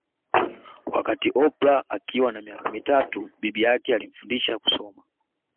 Wakati Oprah Akiwa na miaka mitatu bibi yake alimfundisha kusoma